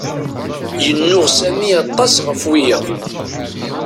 Yennuɣ Sami aṭas ɣef wiyaḍ.